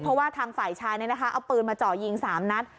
เพราะว่าทางฝ่ายชายเอาปืนมาเจาะยิง๓นัด